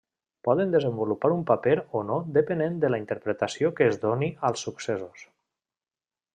Poden desenvolupar un paper o no depenent de la interpretació que es doni als successos.